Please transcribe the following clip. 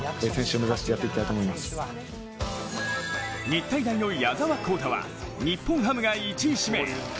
日体大の矢澤宏太は日本ハムが１位指名。